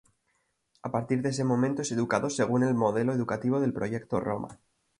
A partir de ese momento es educado según el modelo educativo del Proyecto Roma.